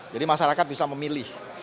jadi masyarakat bisa memilih